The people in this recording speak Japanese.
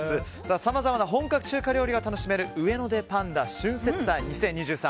さまざまな本格中華料理が楽しめるウエノデ．パンダ春節祭２０２３